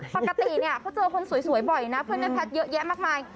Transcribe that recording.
ปกติเนี่ยเขาเจอคนสวยบ่อยนะเพื่อนแม่แพทย์เยอะแยะมากมาย